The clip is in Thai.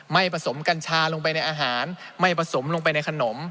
ไม่ประสมกัญชาลงในอาหารไม่ประสมลงในขนม